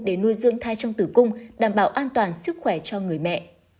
để nuôi dưỡng thai trong tử cung đảm bảo an toàn sức khỏe cho người mẹ